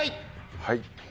はい。